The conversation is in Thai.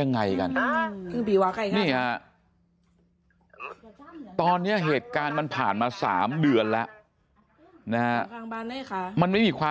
ยังไงกันนี่ฮะตอนนี้เหตุการณ์มันผ่านมา๓เดือนแล้วนะฮะมันไม่มีความ